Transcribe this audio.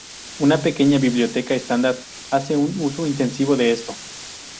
Una pequeña biblioteca estándar hace un uso intensivo de esto.